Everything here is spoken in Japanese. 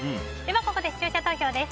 ここで視聴者投票です。